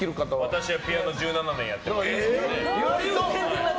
私はピアノ１７年やってますので。